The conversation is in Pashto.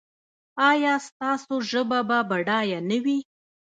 ایا ستاسو ژبه به بډایه نه وي؟